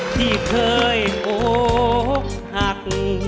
ที่เคยอกหัก